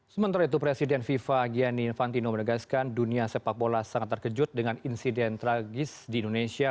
sementara itu presiden fifa gianni infantino menegaskan dunia sepak bola sangat terkejut dengan insiden tragis di indonesia